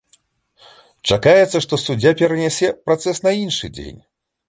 Чакаецца, што суддзя перанясе працэс на іншы дзень.